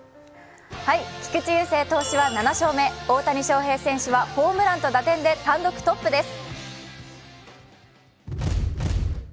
菊池雄星投手は７勝目、大谷翔平選手はホームランと打点で単独トップです。